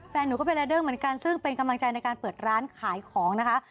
หนูก็เป็นรายเดอร์เหมือนกันซึ่งเป็นกำลังใจในการเปิดร้านขายของนะคะ